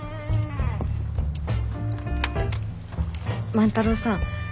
万太郎さん。